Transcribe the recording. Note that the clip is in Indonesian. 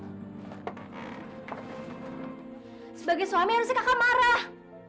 sebagai suami harusnya kakak marah